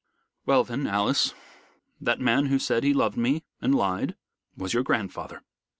Well then, Alice, that man who said he loved me and lied was your grandfather.